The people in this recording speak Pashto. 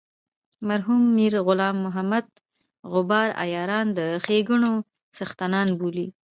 مرحوم میر غلام محمد غبار عیاران د ښیګڼو څښتنان بولي.